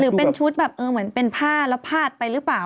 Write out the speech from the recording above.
หรือเป็นชุดแบบเป็นผ้าแล้วผาดไปหรือเปล่า